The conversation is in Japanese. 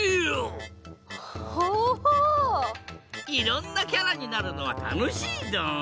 いろんなキャラになるのはたのしいドン！